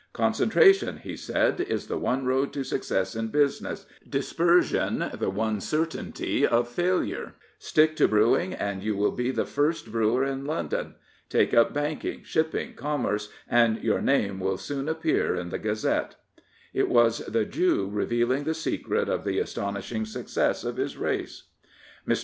" G^ncentra tion," he said, is the one road to success in business; dispersion the one certainty of failure. Stick to brew ing and you will be the first brewer in London. Take up banking, shipping, commerce, and your name will soon appear in the Gazette,*' It was the Jew revealing the secret of the astonishing success of his race. Mr.